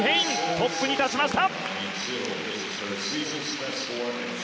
トップに立ちました！